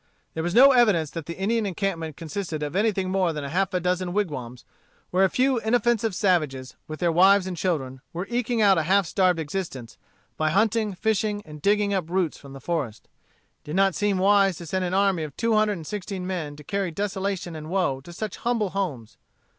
There was no evidence that the Indian encampment consisted of anything more than half a dozen wigwams, where a few inoffensive savages, with their wives and children, were eking out a half starved existence by hunting, fishing, and digging up roots from the forest. It did not seem wise to send an army of two hundred and sixteen men to carry desolation and woe to such humble homes.